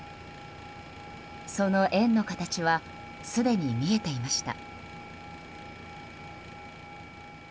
その円の形はすでに見えていました。